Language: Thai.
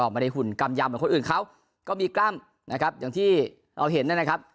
มีหุ่นกล่ามยำเหมือนคนอื่นครับเขาก็มีกลั้มอย่างที่เราเห็นนั่นนะครับ